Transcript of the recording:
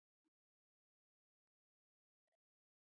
ეს საქმე გასაჩივრების სტადიაშია.